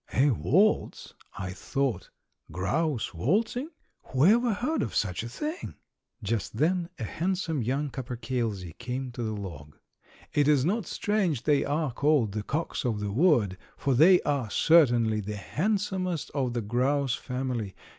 "A waltz," I thought; "grouse waltzing; whoever heard of such a thing?" Just then a handsome young capercailzie came to the log. It is not strange they are called the "cocks of the wood," for they are certainly the handsomest of the grouse family.